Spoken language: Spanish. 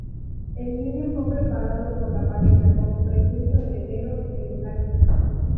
El niño fue preparado por la pareja como presunto heredero de Valaquia.